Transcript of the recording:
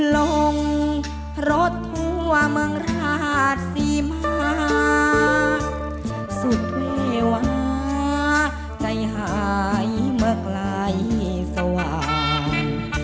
ลงรถทั่วเมืองราชศรีมาสุดเววาใจหายเมื่อไกลสว่าง